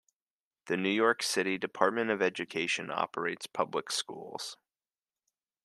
The New York City Department of Education operates public schools.